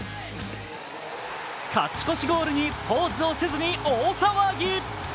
勝ち越しゴールにポーズをせずに大騒ぎ。